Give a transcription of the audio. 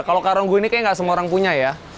kalau karung gue ini kayaknya gak semua orang punya ya